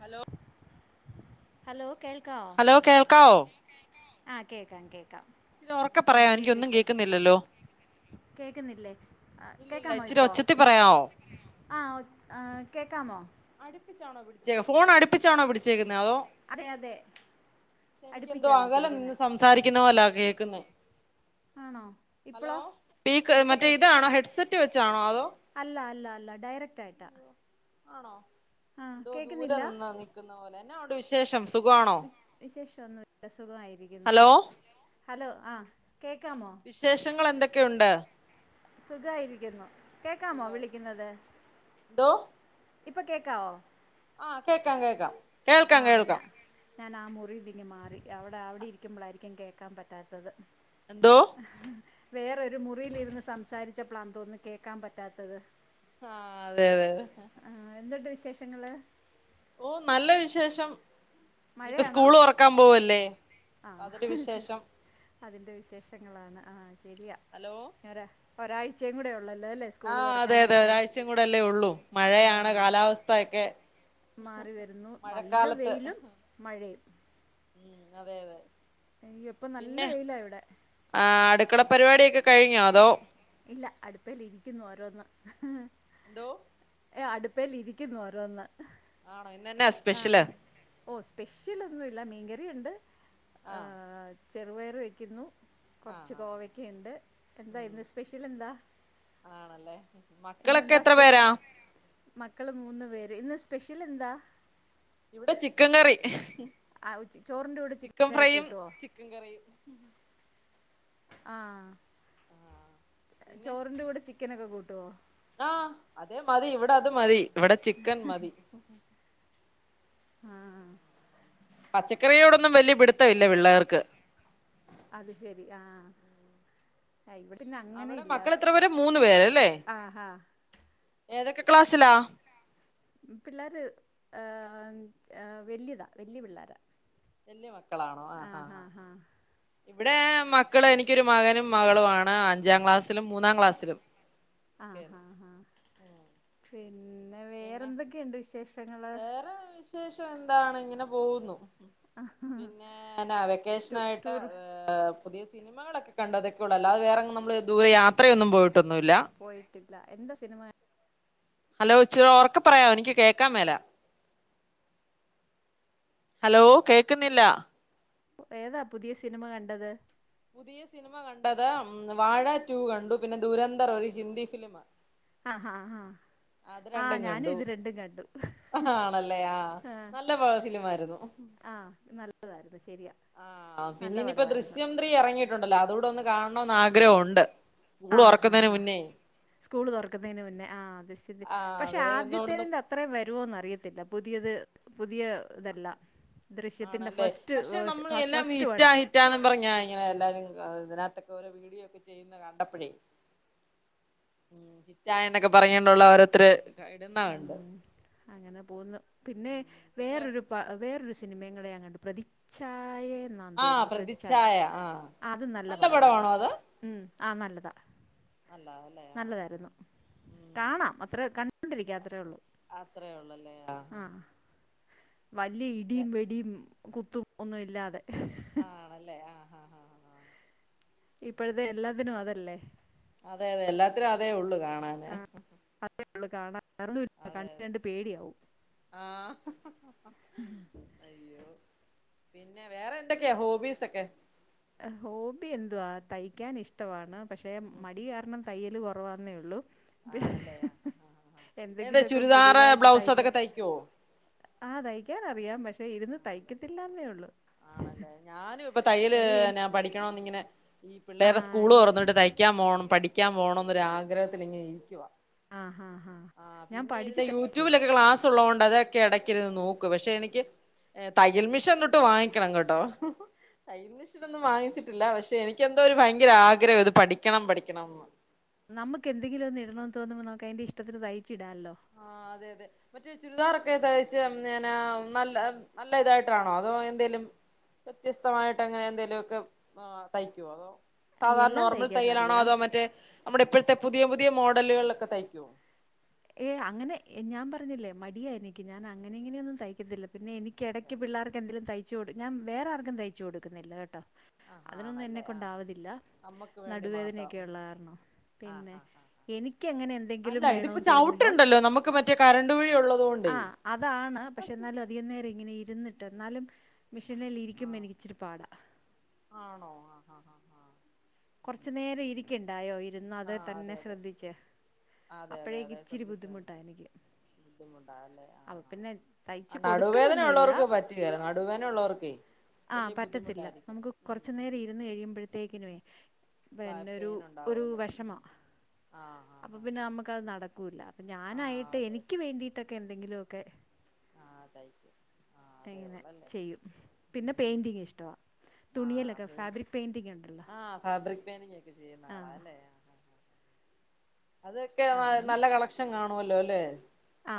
Hello hello കേൾക്കാവോ hello കേൾക്കാവോ hello കേൾക്കാവോ ആഹ് കേക്കാം കേക്കാം ന്ന് ഒറക്കെ പറയോ എനിക്കൊന്നും കേൾക്കുന്നില്ലല്ലോ കേക്കുന്നില്ലേ ആഹ് ഇല്ലില്ല കേക്കാമോ ഇച്ചിരി ഇപ്പോ ഒച്ചത്തി പറയാവോ ആഹ് ഓഹ് ഏഹ് കേക്കാമോ അടുപ്പിച്ചാണോ പിടിച്ചേ ഫോൺ അടുപ്പിച്ചാണോ പിടിച്ചേക്കുന്നത് അതോ അതെ അതെ എനിക്ക് എന്തോ അടുപ്പിച്ചാണ് ആകല്ലെ നിന്ന് പിടിച്ചിരിക്കുന്നത് സംസാരിക്കുന്ന പോലാ കേക്കുന്നേ ആണോ ഹലോ ഇപ്പോളോ സ്പീക്ക് ഇപ്പം മറ്റേ കേ ഇതാണോ ഹെഡ്സെറ്റ് വെച്ചാണോ അതോ അല്ല അല്ല അല്ല ഡയറക്റ്റ് ആയിട്ടാ ആണോ ആ എന്തോ ദൂരെ കേൾക്കുന്നില്ല നിന്ന് നിക്കുന്ന പോലെ എന്നാ ഉണ്ട് വിശേഷം സുഖാ വിശേഷം ഒന്നുല്ല സുഖായിരിക്കുന്നു ഹലോ ഹലോ ഹലോ ആ കേക്കാമോ വിശേഷങ്ങൾ എന്തൊക്കെയുണ്ട് സുഖായിരിക്കുന്നു കേക്കാമോ സുഖായി വിളിക്കുന്നത് എന്തോ ഇപ്പോ കേക്കാവോ ആഹാ കേക്കാം കേക്കാം ആ കേൾക്കാം ഞാ കേൾക്കാം കേട്ടു ഞാൻ ആ മുറിന്ന് ഇങ്ങ് മാറി അവടെ അവടെ ഇരിക്കുമ്പോളായിരിക്കും കേക്കാൻ പറ്റാത്തത് എന്തോ വേറൊരു മുറിൽ ഇരുന്ന് സംസാരിച്ചപ്പോൾ ആണേന്ന് തോന്നുന്നു കേക്കാൻ പറ്റാത്തത് ആഹ് അതെ അതെ അതെ ആഹ് എന്തുണ്ട് വിശേഷങ്ങള് ഓ നല്ല വിശേഷം ഇനിയിപ്പോ മഴയാണോ സ്കൂള് തുറക്കാൻ പോവല്ലേ അതൊരു ആഹ് ചെ വിശേഷം അതിൻ്റെ വിശേഷങ്ങളാണ് ആഹ് ശരിയാ ഹലോ [unintelligible] ഒരാഴ്ചയും കൂടെ ഉള്ളല്ലോ അല്ലേ സ്കൂള് ആഹ് അതെ അതെ തുറക്കാനായിട്ട് ഒരാഴ്ചയും കൂടെല്ലേ ഉള്ളൂ മഴയാണ് ആഹ് കാലാവസ്ഥൊക്കെ മാറി വരുന്നു നല്ല വെയിലും മഴയും ഉം അതെ അതെ അയ്യോ ഇപ്പം നല്ല വെയിലാ ഇവിടെ ആഹ് അടുക്കള പരിപാടിയൊക്കെ കഴിഞ്ഞോ അതോ ഇല്ല അടുപേൽ ഇരിക്കുന്നു ഓരോന്ന് ന്തോ തേ അടുപ്പൽ ഇരിക്കുന്നു ഓരോന്ന് ആണോ ഇന്നന്നെ [unintelligible] ആഹ് ഓ സ്പെഷ്യൽഒന്നുല്ല മീൻകറിഇ ണ്ട് ആ ചെറുപയർ വയ്ക്കുന്നു ആ കുറച്ച് ആ ആ കോവക്കെണ്ട് എന്താ ഉം ഇന്ന് സ്പെഷ്യൽ എന്താ ആണല്ലേ മക്കളൊക്കെ ഇന്നെന്താ എത്ര സ്പെ പേരാ മക്കള് മൂന്ന് പേര് ഇന്ന് സ്പെഷ്യൽ എന്താ ഇന്ന് ചിക്കൻ കറി ആഹ് ചോറിൻ്റെ കൂടെ ചിക്കൻ കറി കൂട്ടുവോ ചിക്കൻ കറി ആഹ് പിന്നെ ചോറിൻ്റെ കൂടെ ചിക്കനൊക്കെ കുട്ടോ ആഹ് അതെ മതി ഇവിടെ അത് മതി ഇവിടെ ചിക്കൻ മതി ആഹ് പച്ചക്കറിയോടൊന്നും വലിയ പിടുത്തല്ല പിള്ളേർക്ക് അത് ശരി ആഹ് ആഹ് ഇവിടെ അവിടെ മക്കൾ എത്ര പേര മൂന്ന് പേരല്ലേ ആ ഹാ ഏതൊക്കെ ക്ലാസ്സിലാ പിള്ളേർ ഏ വലിയതാ വലിയ പിള്ളേരാ വലിയ മക്കളാണോ ആ ആഹ് ആഹ് ഹാ ആഹ് ഹാ ഇവിടെ മക്കള് എനിക്കൊരു മകനും മകളു ആണ് അഞ്ചാം ക്ലാസ്സിലും മൂന്നാം ക്ലാസ്സിലും ആഹ് കേറി ഹാ ഹാ ഉം പിന്നെ പിന്നെ വേറെന്തൊക്കെയുണ്ട് വിശേഷങ്ങള് വേറെ വിശേഷം എന്താണ് ഇങ്ങനെ പോകുന്നു പിന്നെ വെക്കേഷൻ ടു ആയിട്ട് ടൂർ പുതിയ സിനിമകളൊക്കെ കണ്ടതൊക്കെയോള്ളൂ അല്ലാതെ വേറെങ്ങും നമ്മള് ദൂരെ യാത്രയൊന്നും പോയിട്ടൊന്നുമില്ല പോയിട്ടില്ല എന്താ സിനിമ ഹലോ ഇച്ചിരി ഉറക്കെ പറയോ എനിക്ക് കേൾക്കാ മേല ഹലോ കേക്കുന്നില്ല ഏതാ പുതിയ സിനിമ കണ്ടത് പുതിയ സിനിമ കണ്ടത് വാഴ ടു കണ്ടു പിന്നെ ദുരന്തർ ഒരു ഹിന്ദി ഫിലിമാ ആഹ് ഹ ഹ അത് രണ്ടും കണ്ടു ആണല്ലേ ആഹ് നല്ല ഫിലിമായിരുന്നു ആഹ് നല്ലതായിരുന്നു ശരിയാ ആഹ് പിന്നെ നല്ല ഇനിയിപ്പോ പടവായിരുന്നു ദൃശ്യം ത്രീ ഇറങ്ങിയിട്ടുണ്ടല്ലോ അതുകൂടെ ഒന്ന് കാണണന്ന് ആഗ്രഹുണ്ട് ആഹ് ഹാ ഹാ സ്കൂൾ തുറക്കുന്നതിന് മുന്നേ ആഹ് അത് ശരി ആഹ് പക്ഷെ അവരെ ഒന്നുകൂടൊന്ന് ആദ്യത്തേതിന്റെ ത്രേം വരോന്നറിയത്തില്ല പുതിയത് പുതിയ ഇതല്ല ദൃശ്യത്തിൻ്റെ ആണല്ലേ ഫസ്റ്റ് പക്ഷെ വേർ നമ്മൾ എല്ലാം ഫസ്റ്റ് വൺ ഹിറ്റാ ഹിറ്റാന്നും പറഞ്ഞ ഇങ്ങനെ എല്ലാരും അതിനകത്തൊക്കെഓരോ വീടിയോ ഒക്കെ ചെയ്യുന്ന കണ്ടപ്പോഴേ ഹിറ്റായന്നൊക്കെ പറഞ്ഞണ്ടുള്ള ഓരോരുത്തരു ഇടുന്ന കണ്ട് ഉം അങ്ങനെ പോന്നു പിന്നെ പിന്നെ വേറൊരു പ വേറെ ഒരു സിനിമയുംകൂടി ഞാൻ കണ്ടു പ്രതിച്ഛായന്നാ ആ തോന്നുന്നു പ്രതിച്ഛായ ആ അത് നല്ല പടമായിരുന്നു ഉം ആ നല്ലതാ നല്ലതാല്ലേ നല്ലതായിരുന്നു കാണാം അത്രേ കണ്ടൊണ്ടിരിക്ക അത്രേ ഒള്ളൂ അത്രെ ഉള്ളല്ലേ ആ വല്ല്യ ഇടിയും വെടിയും കുത്തും ഒന്നും ഇല്ലാതെ ആണല്ലേ ആഹ് ആഹ് ആഹ് ആഹ് ഇപ്പോഴത്തെ എല്ലാത്തിനും അതല്ലേ അതെ അതെ എല്ലാത്തിനും അതേ ഒള്ളു കാണാന് അതേള്ളൂ കാണാൻ വേറൊന്നുല്ല കണ്ട് കണ്ട് പേടിയാവും ആഹ് അയ്യോ പിന്നെ വേറെ എന്തൊക്കെയാ ഹോബീസ് ഒക്കെ? ഹോബി എന്തുവാ തയ്ക്കാൻ ഇഷ്ടമാണ് പക്ഷെ മടി കാരണം തയ്യല് കൊറവാന്നേ ഒള്ളു ആണല്ലേ ആ ആ ആ ഏത് എന്തെങ്കിലൊക്കെ ചുരിദാറ് പുതിയതായിട്ട് ബ്ലൗസ് തയ്ക്കാൻ അതൊക്കെ തയ്ക്കുവോ ആ തയ്ക്കാൻ അറിയാം പക്ഷെ ഇരുന്ന് ആണല്ലേ തയ്ക്കത്തില്ലാന്നേ ഒള്ളു ആണല്ലേ ഞാനും ഇപ്പ തയ്യല് എനി പഠിക്കണന്ന് ഇങ്ങനെ ഈ ആ പിള്ളേടെ സ്കൂള് എ തൊറന്നിട്ട് തയ് യ്ക്കാൻ പോ പഠിക്കാൻ പോണം ന്ന ആഗ്രഹത്തിൽ ഇങ്ങനെ ഇരിക്കുവ ആ ഹാ ഹാ ആ ഞാൻ പിന്നെ ഇതിന്റെ പഠിച്ചിട്ടൊക്കെയുണ്ട് യൂട്യൂബിലൊക്കെ ക്ലാസ് സുള്ളൊണ്ട് അതൊക്കെ എടക്ക് ഇരുന്നു നോക്കും പക്ഷെ എനിക്ക് തയ്യൽ മിഷൻ ഒന്നുട്ട് വാങ്ങി ക്കണം കേട്ടോ തയ്യൽ മിഷീൻ ഒന്നും വാങ്ങിച്ചിട്ടില്ല പക്ഷെ എനിക്ക് എന്തോ ഒരു ഭയങ്കര ആഗ്രഹം ഇത് പഠിക്കണം പഠിക്കണം എന്ന് നമുക്ക് എന്തങ്കിലും ഒന്ന് ഇടണമന്ന് തോന്നുമ്പോ നമുക്ക് അയിന്റെ ഇഷ്ടത്തിന് തയ്ച്ച് ഇടാല്ലോ ആ അതെ അതെ മറ്റേ ചുരിദാറൊക്കെ തയിച്ച ങ്ങന നല്ല നല്ല ഇതായിട്ടാണോ അതോ എന്തെലും വ്യത്യസ്തമായിട്ട് അങ്ങനെ എന്തേലു ഒക്കെ തയ്ക്കോ അതോ സാധാരണ എല്ലാം നോർമൽ തയ്യലാണോ തയ്ക്കാനറിയാം അതോ മറ്റേ നമ്മുടെ ഇപ്പഴത്തെ പുതിയ പുതിയ മോഡലുകളിലൊക്കെ തയ്ക്കോ ഏയ് അങ്ങനെ ഞാൻ പറഞ്ഞില്ലേ മടിയാ എനിക്ക് ഞാൻ അങ്ങനെ ഇങ്ങനെയൊന്നും തയ്ക്കത്തില്ല പിന്നെ എനി ക്കെടക്ക് പിള്ളാർക്ക് എന്തേലും തയ്ച്ചു കൊടു ഞാൻ വേറെ ആർക്കും തയ്ച്ചു കൊടുക്കുന്നില്ല കേട്ടോ ആഹ് അതിനൊന്നും ആണല്ലേ ആഹ് ആഹ് എന്നെക്കൊണ്ടാവതില്ല നമ്മക്ക് വേണ്ടി മാത്രം നടുവേദനയൊക്കെയുള്ള കാർണം ആഹ് പിന്നെ ആഹ് ആഹ് എനിക്ക് എങ്ങനെ എന്തെങ്കിലും അല്ല വേണോ ഇതിപ്പോ തോന്നുമ്പം ചവിട്ടുണ്ടല്ലോ നമുക്ക് മറ്റേ കരണ്ട് വഴി ഉള്ളത് കൊണ്ടേ ആഹ് അതാണ് പക്ഷെ ന്നാലും അ അധികം നേരം ഇങ്ങനെ ഇരുന്നിട്ട് എന്നാലും മിഷീനിൽ ഇരിക്കുമ്പോ ആഹ് എനിക്ക് ഇച്ചിരി പാടാ ആണോ ആഹ് ആഹ് ആഹ് കൊറ്ച്ചു നേര ഇരി കെണ്ടായോ ഇരുന്ന് അതേ ആഹ് തന്നെ അതെ അതെ ശ്രദ്ധിച്ച് അതെ അപ്പഴേക്ക് ഇച്ചിരി ബുദ്ധിമുട്ടാ എനിക്ക് ബുദ്ധിമുട്ടാ ല്ലേ അപ്പൊ പിന്നെ തയ്ച്ച് കൊടുക്കലൊന്നു ഇല്ല ഉള്ളവർക്ക് പറ്റുകേല നടുവേന ഉള്ളോർക്കേ ആഹ് പറ്റത്തില്ല നമുക്ക് കൊർച്ച് നേരം ഇരുന്ന് ഉം കഴിയുമ്പഴത്തേക്കിനേ ബാക്ക് പെന്നൊരു പെയിൻ ഒരു ഉണ്ടാവൂലോ ഉം വെഷമം ആഹ് അപ്പൊ ആഹ് ആഹ് പിന്നെ നമുക്കത് നടക്കൂല്ല അപ്പൊ ആഹ് ആഹ് ഞാനായിട്ട് അതെ എനിക്ക് അതെ വേണ്ടി ക്കെ എന്തെങ്കിലും ഒക്കെ ആഹ് തയ്ക്കും ആഹ് അതേ ഇങ്ങനെ ഉള്ളല്ലേ ചെയ്യും പിന്നെ ഉം പെയിന്റിങ് ഇഷ്ടവാ ആഹ് തുണിയിലൊക്കെ പെയിൻ ഫാബ്രിക് പെയിന്റിങ് ഉണ്ടല്ലോ ആഹ് ഫാബ്രിക് പെയിന്റിംഗ് ഒക്കെ ചെയ്യുന്ന ആഹ് ആളാല്ലേ അതൊക്കെ അങ്ങനെ നല്ല കളക്ഷൻ കാണുവല്ലോലെ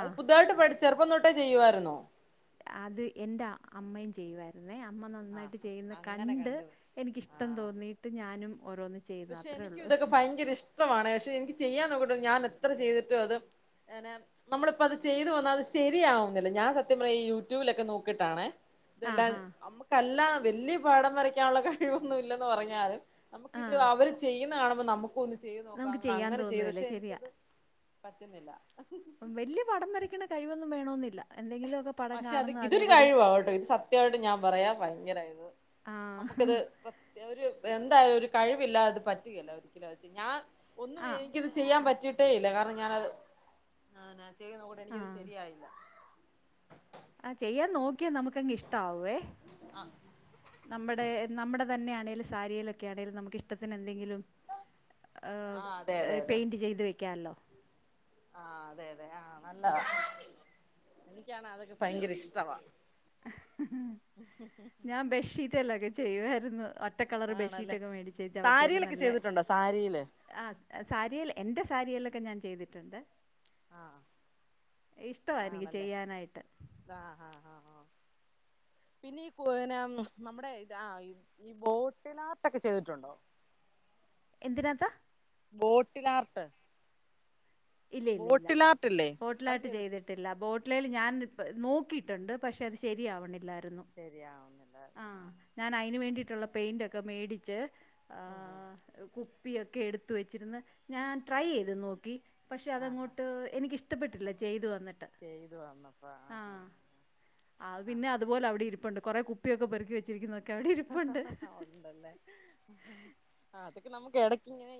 അത് പുതുതായിട്ട് പഠി ചെറുപ്പം തൊട്ടേ ചെയ്യുവായിരുന്നോ? അത് എൻ്റെ അമ്മയും ചെയ്യുവായിരുന്നേ അമ്മ നന്നായിട്ട് ആഹ് ചെയ്യുന്ന അങ്ങനെ കണ്ട് കണ്ടു എനിക്കിഷ്ടം ആഹ് തോന്നിയിട്ട് ഞാനും ഓരോന്ന് ചെയ്യുന്നു പക്ഷെ അത്രേ എനിക്കും ഒള്ളു ഇതൊക്കെ ഭയങ്കര ഇഷ്ടമാണ് പക്ഷെ എനിക്ക് ചെയ്യാൻ നോക്കിട്ട് ഞാൻ എത്ര ചെയ്തിട്ടും അത് [unintelligible] നമ്മളിപ്പ അത് ചെയ്ത് വന്നാൽ അത് ശരിയാവുന്നില്ല ഞാൻ സത്യം പറ ഈ യൂട്യൂബിലൊക്കെ നോക്കിട്ടാണേ ഇതെല്ലാം ആഹാ നമ്മുക്കല്ല വല്യ പടം വരയ്ക്കാനുള്ള കഴിവൊന്നും ഇല്ലെന്ന് പറഞ്ഞാലും നമുക്കിത് ആഹ് അവര് ചെയ്യുന്ന കാണുമ്പോ നമുക്കും ഒന്ന് ചെയ്ത് നമുക്ക് നോക്കാം ചെയ്യാൻ അങ്ങനെ ചെയ്തു തോന്നുവല്ലേ പക്ഷെ ശരിയാ എനിക്കത് പറ്റുന്നില്ല വല്യ പടം വരയ്ക്ക്ണ കഴിവൊന്നും വേണോന്നില്ല എന്തങ്കിലൊക്കെ പക്ഷെ അത് ഇതൊരു കഴിവാണ് ഇത് സത്യയിട്ട് ഞാൻ പറയാ ഭയങ്കര ഇത് ആഹ് നമുക്കിത് ഒരു എന്തായാലും ഒരു കഴിവില്ലാതെ പറ്റില്ല ഒരിക്കലോ ഞാൻ ഒന്നും ആഹ് എനിക്ക് ചെയ്യാൻ പറ്റിയിട്ടേ ഇല്ല കാരണം ഞാനത് ചെയ്യൂന്നൊണ്ട് എനിക്കത് ആഹ് ശരിയായില്ല ആഹ് ചെയ്യാൻ നോക്കിയാ നമുക്ക്ങ് ഇഷ്ട്ടാവേ ആഹ് നമ്മുടെ നമ്മുടെ തന്നൊണെലും സാരിയിലൊക്കെണേലും നമുക്കിഷ്ടത്തിന് എന്തെങ്കിലും ആ അതെ അതെ പെയിന്റ് ചെയ്ത് വെക്കാല്ലോ ആഹ് അതെ അതെ ആഹ് നല്ലത എനിക് അതൊക്കെ ഭയങ്കര ഇഷ്ടവാ ഞാൻ ബെഡ്ഷീറ്റ്ല്ലൊക്കെ ചെയ്യുവായിരുന്നു. ഒറ്റ കളറ് ആണല്ലേ ബെഡ്ഷീറ്റൊക്കെ മേടിച്ചേ ചവത്തേല് സാരിയിലൊക്കെ നല്ല ചെയ്തിട്ടുണ്ടോ സാരിയില് ആഹ് സാരിയേൽ എന്റെ സാരിയിലൊക്കെ ഞാൻ ചെയ്തിട്ടുണ്ട് ആഹ് ഇഷ്ടമാണ് എനിക്ക് ആണല്ലേ ചെയ്യാനായിട്ട് ആഹ് ആഹ്ആഹ് ആഹ് പിന്നീ കോയനെ നമ്മുടെ ഇതാ ആഹ് ഇ ഈ ബോട്ടിനാർട്ടൊക്കെ ചെയ്തിട്ടുണ്ടോ? എന്തിനാത്താ ബോട്ടിലാർട്ട് ഇല്ല ഇല്ല ഇല്ല ആർട്ടില്ലേ അത് ബോട്ടിലായിട്ട് ചെയ്തി ചെയ്ത് ട്ടീല്ല ബോട്ടിലേൽ ഞാൻ നോക്കിയിട്ടുണ്ട് പക്ഷെ അത് ശരിയാവണില്ലായിരുന്നു. ശരിയാവുന്നില്ല ആഹ് ഞാന് അയിന് വേണ്ടിയിട്ടുള്ള പെയിന്റോക്കെ മേടിച്ച് ഉം ഉം ആഹ് കുപ്പി ഒക്കെ എടുത്ത് വെച്ചിരുന്ന് ഞാൻ ട്രൈയ്ത് നോക്കി പക്ഷേ ആ ആ അതങ്ങോട്ട് എനിക്കിഷ് ടപ്പെട്ടില്ല ചെയ്തു വന്നിട്ട് ചെയ്തു വന്നപ്പോ ആ ആ ആഹ് അത് ആ പിന്നെ ആ ആ അതുപോലെ അവിടെ ഇരിപ്പുണ്ട്. കൊറെ കുപ്പിയൊക്കെ പെറുക്കി വെ ച്ചിരിക്കുന്നൊക്കെ അവിടി ഒണ്ടല്ലേ അതൊക്കെ നമുക്ക് എടക്ക് ഇങ്ങനെ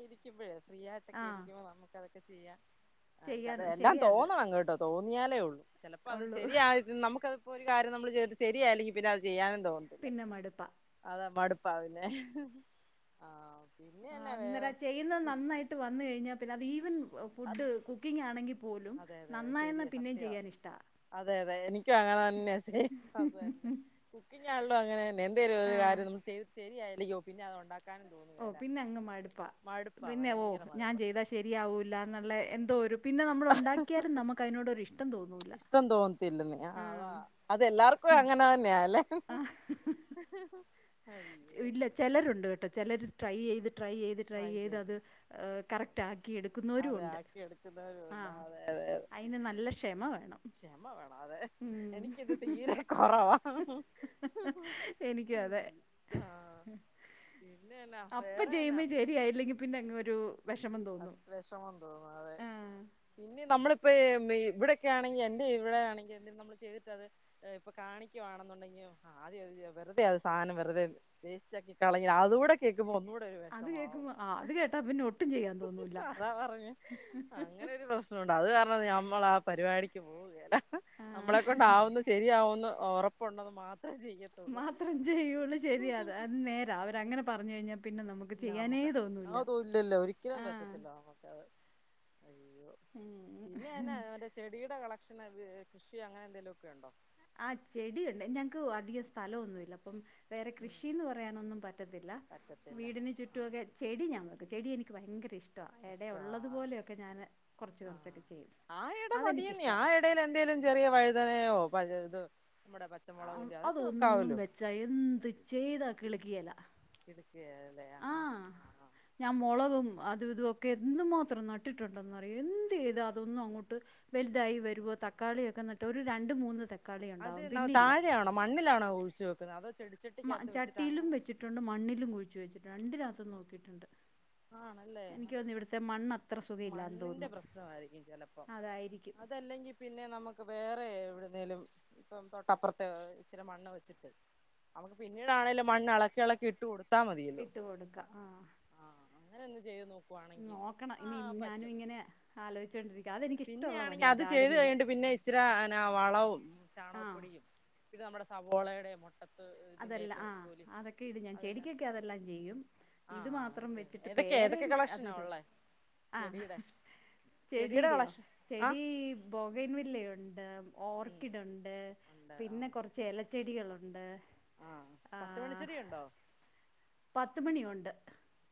ഫ്രീ ആഹ് ആയിട്ടക്കെയിരിക്കുമ്പ നമുക്കതൊക്കെ ചെയ്യാം അ ചെയ്യാൻ എല്ലാം ശരിയാ അത് തോന്നണം കെട്ടോ തോന്നിയാലേ ഉള്ളൂ ചെലപ്പോ അത് ഉള്ളൂ ശരിയായത് നമുക്കത് ഇപ്പോ ഒരു കാര്യം നമ്മള് ചെയ്തിട്ട് ശരിയായില്ലെങ്കി പിന്നെ അത് ചെയ്യാനും തോന്നുലാ പിന്നെ മടുപ്പാ അതാ മടുപ്പാ പിന്നെ ആഹ് പിന്നെ എന്നാ വേറെ അന്നേരം ചെയ്യുന്നത് കൃഷി നന്നായിട്ട് വന്ന് കഴിഞ്ഞാ പിന്നെ അത് ഈവൻ അതെ ഫുഡ് കുക്കിംങ്‌ ആണെങ്കിൽ അതെ അതെ നന്നായന്ന ശരിയാ പിന്നേം ചെ സത്യവാ അതെ അതെ എനിക്കും അങ്ങനെ തന്നെ സെയിം അത് തന്നെ കുക്കിങ്ങ് ആണല്ലോ അങ്ങനെന്നെ എന്തേലും ഒരു ആഹ് കാര്യം ന ചെയ്ത് ശരിയായില്ലരിക്കോ പിന്നെ അത്ണ്ടാ ഓഹ് പിന്നെ അങ്ങ് മടുപ്പാ മടുപ്പാ പിന്നെ ഓ ഭയങ്കര ഞാൻ മടുപ്പാ ചെയ്താ ശെരി ശെരിയാവൂല്ല എന്നുള്ള എന്തോ ഒരു പിന്നെ നമ്മൾ ഉണ്ടാക്കിയാലും നമുക്ക് അതിനോടൊരു ഇഷ്ടം തോന്നൂല്ല ത്തില്ല അതാ ആഹ് അതെല്ലാർക്കും അങ്ങനെ തന്നെയാല്ലേ. ആഹ് അതെ ഇല്ല ചെലരുണ്ട് കേട്ടോ ചെലര് ട്രൈ എയ്ത് ട്രൈ എയ്ത് ട്രൈ എയ്ത് അത് കറക്റ്റ് ആക്കി എടു അതെ ആക്കി എടുക്കുന്നവരുണ്ട്. അതെ അതെ അതിന് നല്ല ക്ഷമ വേണം ക്ഷമ വേണം അതെ ഉം എനിക്ക്ത് തീരെ കൊറവാ ആ പിന്നെ എന്നാ അപ്പ വേറെ എന്നാ ചെയ്യുമ്പോ ശരിയായില്ലെങ്കി പിന്നെ അങ്ങരു വെഷമം തോന്നും. വെഷമം തോന്നും അതെ ആ പിന്നേ നമ്മളിപ്പോ ഈ ഇവിടെക്കെ ആണെങ്കി എന്റെ ഇവിടെയാണെങ്കി എന്തേലും നമ്മള് ചെയ് തിട്ടത് ഏഹ് ഇപ്പൊ കാ ണിക്കുവാണെന്നുണ്ടെങ്കി ആ ത് ഇത് വെർതെ അത് സാനം വെർതെ വേസ്റ്റാക്കി കളയ അതൂടെ കേക്കുമ്പോ ഒന്നൂടൊരു വെഷമാവും. ആഹ് അത് കേട്ടാ പിന്നെ ഒട്ടും ചെയ്യാൻ തോന്നൂല്ല. അത്കൊണ്ടാ അത് കാരണം നമ്മളാ പരിപാടിക്ക് പോവുകേല്ല. ആ നമ്മളെ കൊണ്ടാവുന്ന ശരിയാവൊന്ന് ഒറപ്പുണ്ടത് മാത്രേ ചെയ്യ മാത്രം ചെയ്യൊള്ളൂ. ശരിയാ അത് അത് നേരാ. അവരങ്ങനെ പറഞ്ഞു കഴിഞ്ഞാ പിന്നെ നമു പിന്നെ നമ്മുക്കാ അതുല്ലല്ലോ ഒരിക്കലും ആ പറ്റത്തില്ല നമ്മുക്കത്. അയ്യോ ഉം പിന്നെന്നാ മറ്റേ ചെടിയുടെ കളക്ഷന് ഏഹ് കൃഷി അങ്ങനെ എന്തേലൊക്കെ ഉണ്ടോ? ആഹ് ചെടിയുണ്ട്. ഞൻക്ക് അധികം സ്ഥലോന്നൂല്ല അപ്പം വേറെ ഉം കൃഷീന്ന് പറയാനൊന്നും പറ്റത്തില്ല. പറ്റത്തില്ല വീടിന് ആ ചുറ്റുവൊക്കെ ചെടി ഞാൻ വെക്കും. ചെടി എനിക്ക് ഭയങ്കര ഇഷ് ടാ. എടെ ഇഷ്ടാ ഒള്ളതു പോലെയൊക്കെ ഞാന് കൊറച്ച് ആ കൊറച്ചൊക്കെ ചെയ്യും. അതെനിക്കിഷ്ടവാ. ഇടേല് എന്തെേലും ചെറിയ വഴുതനയോ മറ്റേ തോ മൊ ആഹ് അതൊന്നും വെച്ചാ എന്ത് ചെയ്താ കിളക്കിയേലാ. കിളക്കിയേലലെ ഹ ഹ [unintelligible] ഞാമൊളകും അതും ഇതുമൊക്കെ എന്തു മാത്രം നട്ടിട്ടുണ്ടെന്നറിയോ എന്തീതാ ആഹ് അതൊന്നും അങ്ങോട്ട് വൽതായി വരുവോ തക്കാളിയൊക്കെ നട്ട് ഒരു രണ്ട് മൂന്ന് തക്കാളി അത് ഒണ്ടാവും. ന പിന്നെ ഇല്ല. താഴെയാണോ മണ്ണിലാണോ കുഴിച്ച് വെക്കുന്ന അതോ ചെടിച്ച മ ചട്ടിയിലും വെച്ചിട്ടുണ്ട് മണ്ണിലും കുഴിച്ച് വെച്ചിട്ട് രണ്ടിനകത്തും നോക്കിയിട്ടുണ്ട്. ആണല്ലേ ആ, എനിക്ക് തോന്നുന്നു ഇവിടുത്തെ മണ്ണാ മണ്ണിന്റെ പ്രശ്നമായിരിക്കും ചെലപ്പോം. അതായിരിക്കും അതല്ലെങ്കി പിന്നെ നമുക്ക് വേറെ എവിടുന്നേലും ഇപ്പം തൊട്ടപ്പുറത്തെ ഇച്ചിര മണ്ണ് വെച്ചിട്ട് നമുക്ക് പിന്നീടാണല്ലോ മണ്ണ് അളക്കിളക്കി ഇട്ട് കൊടുത്ത് ഇട്ട് കൊടുക്ക ആഹ്. അങ്ങനെയൊന്ന് ചെയ്ത് നോ നോക്കണം ഇനി ഞാനും ഇങ്ങനെ ആലോചിച്ചുകൊണ്ടിരിക്കുക അതെനിക്കിഷ്ടമുള്ള പിന്നെയാണ് ഞ് പണിയാണ് അത് ചെയ്ത് ഗാർഡനിങ് കഴിഞ്ഞിട്ട് പിന്നെ ഇച്ച്രാ അനാ വളവും ആ ചാണകപ്പൊടിയും പിന്നെ നമ്മടെ സവോളെടെ മു അതെല്ല ആഹ് അതൊക്കെ ഇടും ഞാൻ. അതെല്ലാം ചെടിക്കൊക്കെ അതെല്ലാം ചെയ്യും. ആഹ് ഇത് ആഹ് മാത്രം അതൊക്കെ വെ ഏതൊക്കെ ഏതൊക്കെ പേരാറ് കളക്ഷനാ അതൂതാ ഉള്ളേ ആഹ് ചെടിയുടെ ചെടിയുടെ ചെടിയുടേയോ? കളക്ഷൻ ആഹ് ചെടീ ബൊഗൈൻ വില്ലയുണ്ട്, ഉം ഓർക്കിഡ് ഉണ്ട് ഉണ്ട് പിന്നെ ആഹ് കൊർ ച്ചെലച്ചെടികളുണ്ട്. ആഹ്, പത്ത് മണിച്ചെടിയുണ്ടോ? പത്ത് മണിയുണ്ട്.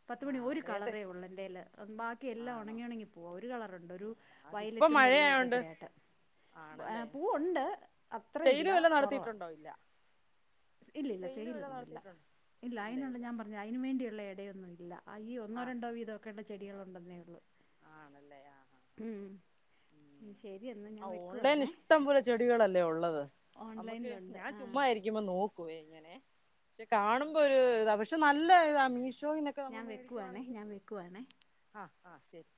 പത്ത്മണി ഒരു ആഹ് ഏത് കളറേ ഒള്ളൂ എന്റെല്. ബാക്കി എല്ലാം ആണോ ഒണങ്ങി ഒണങ്ങി പോ ഒരു കളറുണ്ട് ഒരു അതിപ്പോ വയലറ്റും മഴയായോണ്ട് വെള്ളയൊക്കെക്കിടയാട്ട്. ഏഹ് ആണല്ലേ ആഹ് പൂവുണ്ട് ആഹ് സെയില് അത്രയില്ല വല്ലോം കൊറവ. നടത്തിയിട്ടുണ്ടോ ഇല്ല ഇല്ലല്ല സെയില് വല്ലോം സെയിലൊന്നും ഇല്ല. നടത്തിയിട്ടുണ്ടോ ഇല്ല അയിനൊള്ള ഞാൻ ല്ല അയിനും മേണ്ടിയുള്ള ഇടയൊന്നും ഇല്ല. ആ ഈ ഒന്നോ ആഹ് രണ്ടോ ആഹ് വീതൊക്കെള്ള ചെടികളുണ്ടെന്നേയൊള്ളൂ. ആണല്ലേ ആഹ് ആഹ് ഉം ഉം ഉം, ആ ഓൺലൈൻല് ഇഷ്ടം പോലെ ചെടികളല്ലേ ഉള്ളത്? നമ്മക്ക് ഓൺലൈനിലുണ്ട് ഞാൻ ആ ചുമ്മാ ആയി രിക്കുമ്പോ നോക്കുവേ ഇങ്ങനെ. പക്ഷെ കാണുമ്പോ ഒര് പക്ഷെ നല്ല ഇതാ മീഷോ ഞാൻ വെക്കുവാണേ ഞാൻ വെക്കുവാണ്. ആഹ് ആഹ് ശരി.